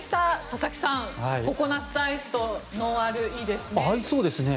佐々木さん、ココナッツアイスとノンアル、いいですね。